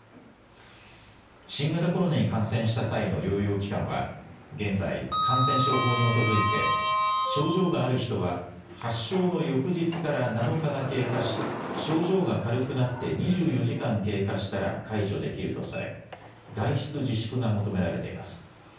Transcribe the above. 新型コロナに感染した際の療養期間は現在、感染症法に基づいて症状がある人は発症の翌日から７日が経過し症状が軽くなって２４時間経過したら解除できるとされ外出自粛が求められています。